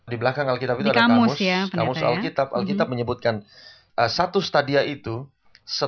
di belakang alkitab itu ada kamus